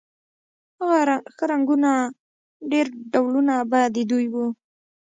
ښه رنګونه ډېر ډولونه به د دوی و